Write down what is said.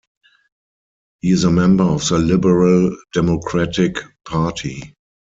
He is a member of the Liberal Democratic Party.